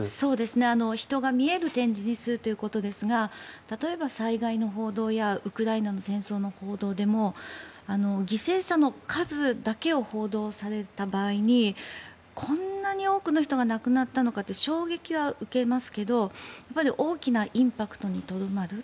人が見える展示にするということですが例えば災害の報道やウクライナの戦争の報道でも犠牲者の数だけを報道された場合にこんなに多くの人が亡くなったのかと衝撃は受けますが大きなインパクトにとどまる。